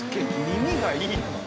耳がいいな。